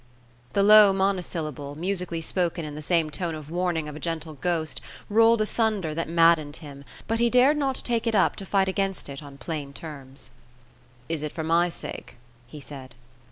The low monosyllable, musically spoken in the same tone of warning of a gentle ghost, rolled a thunder that maddened him, but he dared not take it up to fight against it on plain terms. "Is it for my sake?" he said.